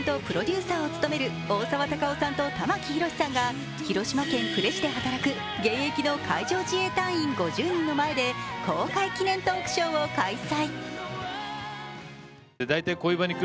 主演とプロデューサーを務める大沢たかおさんと玉木宏さんが広島県呉市で働く海上自衛隊員５０人の前で公開記念トークショーを開催。